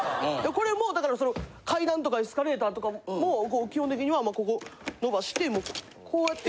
これも階段とかエスカレーターとかも基本的にはここ伸ばしてこうやって。